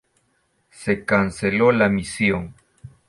Se canceló la misión.